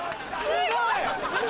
すごい！